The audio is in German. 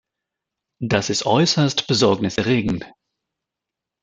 Das ist äußerst Besorgnis erregend.